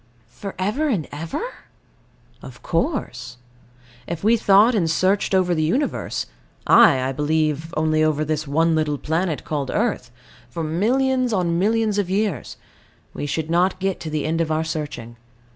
For ever and ever? Of course. If we thought and searched over the Universe ay, I believe, only over this one little planet called earth for millions on millions of years, we should not get to the end of our searching.